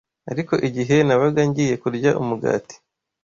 ariko igihe nabaga ngiye kurya umugati